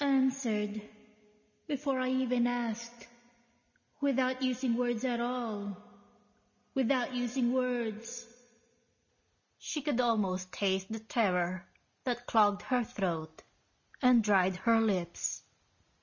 (Answered ... before I even asked ... without using words at all ... without using words....) She could almost taste the terror that clogged her throat and dried her lips.